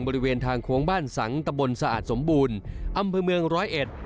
บริเวณทางโค้งบ้านสังตะบนสะอาดสมบูรณ์อำเภอเมืองร้อยเอ็ด